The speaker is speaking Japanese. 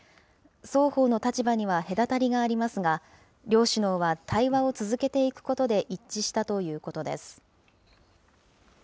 双方の立場には隔たりがありますが、両首脳は対話を続けていくことで一致したということです。